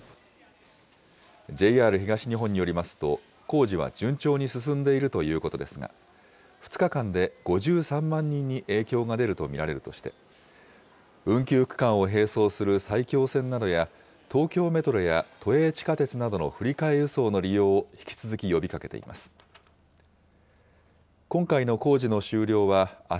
ＪＲ東日本によりますと、工事は順調に進んでいるということですが、２日間で５３万人に影響が出ると見られるとして、運休区間を並走する埼京線などや、東京メトロや都営地下鉄などの振り替え輸送の利用を引き続き呼びかけています。